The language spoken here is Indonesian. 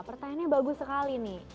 pertanyaannya bagus sekali nih